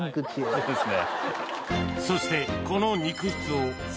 そうですね。